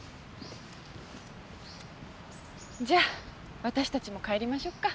じゃあ私たちも帰りましょうか。